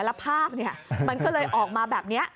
แล้วภาพมันก็เลยออกมาแบบนี้